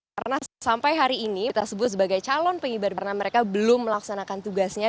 karena sampai hari ini kita sebut sebagai calon pengibar karena mereka belum melaksanakan tugasnya